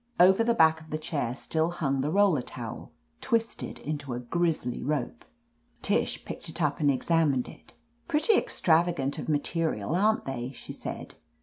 Over the back of the chair still hung the roller towel, twisted into a grisly rope. Tish picked it up and examined it. "Pretty extravagant of material, aren't they ?" she said.